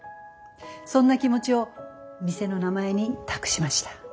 そんな気持ちを店の名前に託しました。